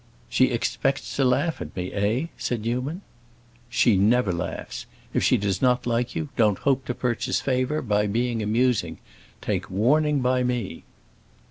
"She expects to laugh at me, eh?" said Newman. "She never laughs. If she does not like you, don't hope to purchase favor by being amusing. Take warning by me!"